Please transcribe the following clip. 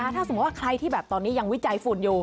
ถ้าสมมุติว่าใครที่แบบตอนนี้ยังวิจัยฝุ่นอยู่